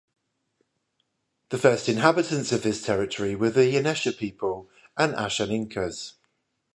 The first inhabitants of this territory were the Yanesha' people and Ashaninkas.